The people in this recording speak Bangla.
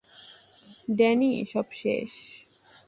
ড্যানি, সব শেষ।